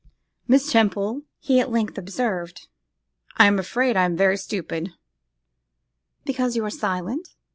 'Miss Temple,' he at length observed, 'I am afraid I am very stupid!' 'Because you are silent?